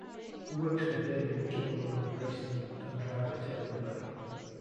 He works for David Gilliland Racing and driver Taylor Gray.